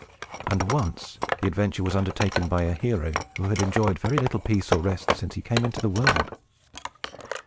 And once the adventure was undertaken by a hero who had enjoyed very little peace or rest since he came into the world.